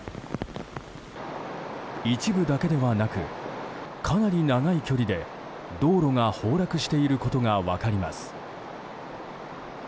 一部だけではなくかなり長い距離で道路が崩落していることが分かります。